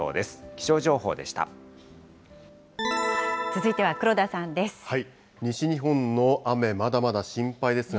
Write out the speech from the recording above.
続いては黒田さんです。